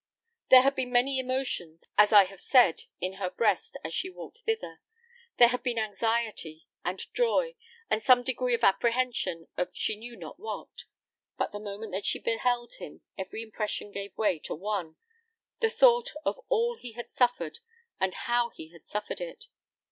There had been many emotions, as I have said, in her breast, as she walked thither; there had been anxiety, and joy, and some degree of apprehension of she knew not what; but the moment that she beheld him every impression gave way to one, the thought of all he had suffered, and how he had suffered it.